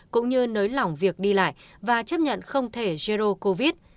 cũng như nới lỏng việc đi lại và chấp nhận không thể jero covid